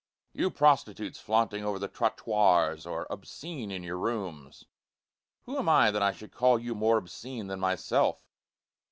You prostitutes flaunting over the trottoirs or obscene in your rooms, Who am I that I should call you more obscene than myself?